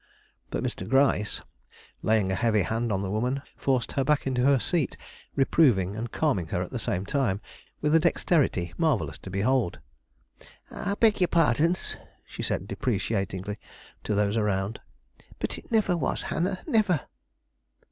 But Mr. Gryce, laying a heavy hand on the woman, forced her back into her seat, reproving and calming her at the same time, with a dexterity marvellous to behold. "I beg your pardons," she cried deprecatingly to those around; "but it niver was Hannah, niver!"